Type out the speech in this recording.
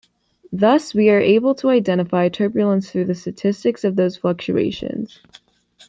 Thus, we are able to identify turbulence through the statistics of those fluctuations.